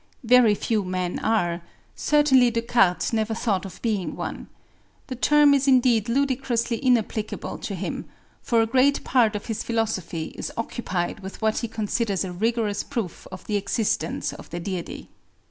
Very few men are; certainly Descartes never thought of being one. The term is indeed ludicrously inapplicable to him, for a great part of his philosophy is occupied with what he considers a rigorous proof of the existence of the Deity.